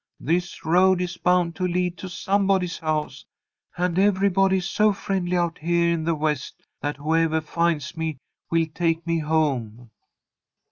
This road is bound to lead to somebody's house, and everybody is so friendly out heah in the West that whoevah finds me will take me home."